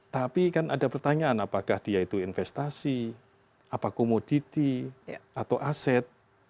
tapi kan ada pertanyaan apakah dia itu investasi apa komoditi atau aset